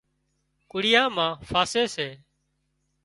ڪڙيا مان ڦاسي سي